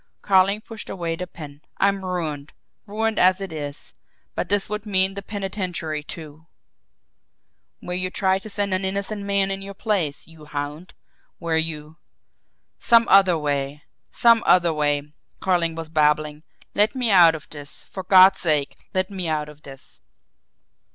Carling pushed away the pen. "I'm ruined ruined as it is. But this would mean the penitentiary, too " "Where you tried to send an innocent man in your place, you hound; where you " "Some other way some other way!" Carling was babbling. "Let me out of this for God's sake, let me out of this!"